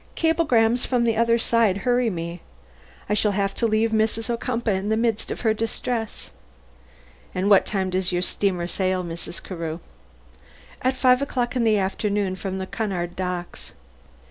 Cablegrams from the other side hurry me. I shall have to leave Mrs. Ocumpaugh in the midst of her distress." "What time does your steamer sail, Mrs. Carew?" "At five o'clock in the afternoon, from the Cunard docks."